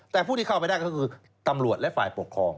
แต่ผู้ที่เข้าไปได้ก็คือตำรวจและฝ่ายปกครอง